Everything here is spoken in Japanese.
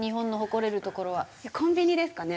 コンビニですかね。